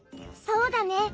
そうだね。